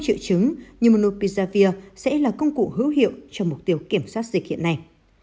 chữa chứng như monopizavir sẽ là công cụ hữu hiệu cho mục tiêu kiểm soát dịch hiện nay